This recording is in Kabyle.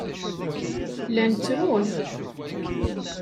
Llan ttrun.